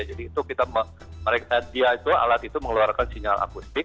jadi itu kita merek dia itu alat itu mengeluarkan sinyal akustik